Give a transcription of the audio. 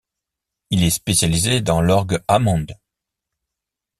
Il est spécialisé dans l'orgue Hammond.